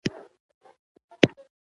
چې اوس خاموش اکثریت ورته توجه کوي.